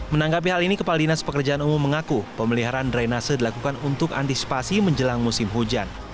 menanggapi hal ini kepala dinas pekerjaan umum mengaku pemeliharaan drainase dilakukan untuk antisipasi menjelang musim hujan